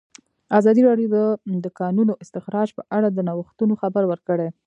ازادي راډیو د د کانونو استخراج په اړه د نوښتونو خبر ورکړی.